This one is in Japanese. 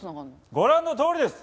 ご覧のとおりです！